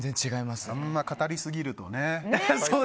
あんま語りすぎるとね。